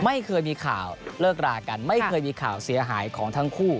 ไม่เคยมีข่าวเลิกรากันไม่เคยมีข่าวเสียหายของทั้งคู่